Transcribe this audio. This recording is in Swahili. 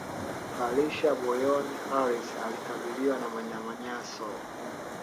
Facia Boyenoh Harris alikabiliwa na manyanyaso